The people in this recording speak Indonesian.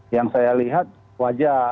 yang saya lihat wajah